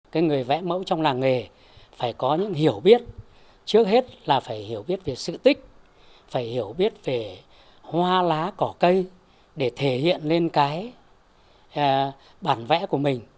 cái người vẽ mẫu trong làng nghề phải có những hiểu biết trước hết là phải hiểu biết về sự tích phải hiểu biết về hoa lá cỏ cây để thể hiện lên cái bản vẽ của mình